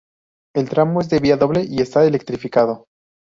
El tramo es de vía doble y está electrificado.